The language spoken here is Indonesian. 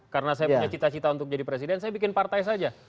karena saya punya cita cita untuk jadi presiden saya bikin partai saja